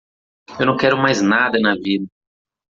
Eu não quero mais nada na vida.